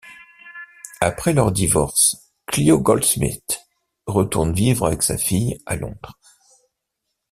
Après leur divorce, Clio Goldsmith retourne vivre avec sa fille à Londres.